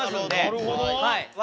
なるほど。笑